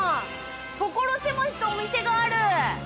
所狭しとお店がある。